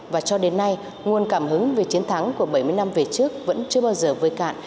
và cho đến nay nguồn cảm hứng về chiến thắng của bảy mươi năm về trước vẫn chưa bao giờ vơi cạn